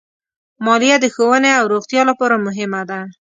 مالیه د ښوونې او روغتیا لپاره مهمه ده.